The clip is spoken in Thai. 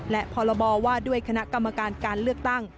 และพรบว่าด้วยคณะกรรมการการเลือกตั้ง